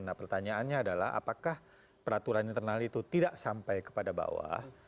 nah pertanyaannya adalah apakah peraturan internal itu tidak sampai kepada bawah